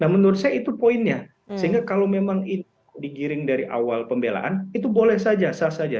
menurut saya itu poinnya sehingga kalau memang itu digiring dari awal pembelaan itu boleh saja sah saja